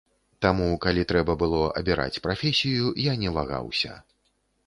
Таму, калі трэба было абіраць прафесію, я не вагаўся.